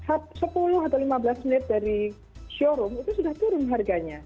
sepuluh atau lima belas menit dari showroom itu sudah turun harganya